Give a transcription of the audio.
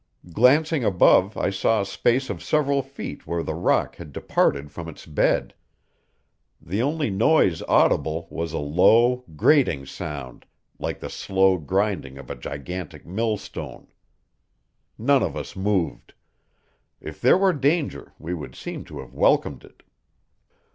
Glancing above I saw a space of several feet where the rock had departed from its bed. The only noise audible was a low, grating sound like the slow grinding of a gigantic millstone. None of us moved if there were danger we would seem to have welcomed it.